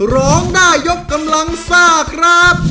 ร้องได้ยกกำลังซ่าครับ